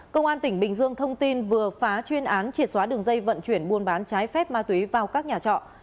công an tỉnh bình dương thông tin vừa phá chuyên án triệt xóa đường dây vận chuyển buôn bán trái phép ma túy vào các nhà trọ